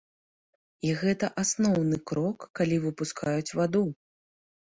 І гэта асноўны крок, калі выпускаюць ваду.